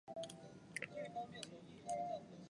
常和驯鹿混淆。